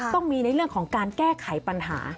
ต้องมีในเรื่องของการแก้ไขปัญหา